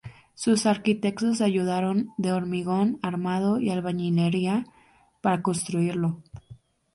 Sus arquitectos se ayudaron de hormigón armado y albañilería para construirlo.